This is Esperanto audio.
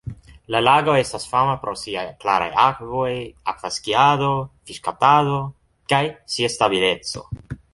La lago estas fama pro siaj klaraj akvoj, akva skiado, fiŝkaptado, kaj sia stabileco.